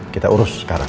kita urus sekarang